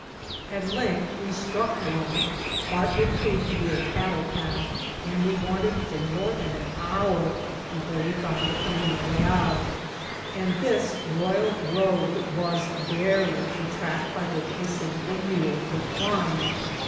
At length we stmek one, but it proved to be a cattle path, apd we wandered for more than an hour before we found the camino real ; and this royal road was barely a track by which a sin f^ mule could climb.